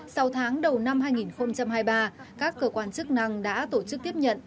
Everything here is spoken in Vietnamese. sau tháng đầu năm hai nghìn hai mươi ba các cơ quan chức năng đã tổ chức tiếp nhận